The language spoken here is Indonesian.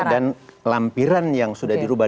dan lampiran yang sudah dirubah